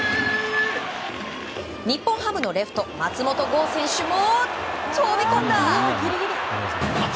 日本ハムのレフト松本剛選手も飛び込んだ！